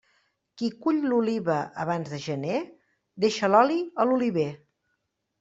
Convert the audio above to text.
Qui cull l'oliva abans de gener, deixa l'oli a l'oliver.